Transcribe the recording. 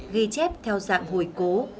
ghi chép theo dạng hồi cố